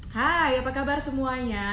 hai apa kabar semuanya